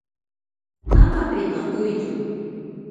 ama pinqakuytsu.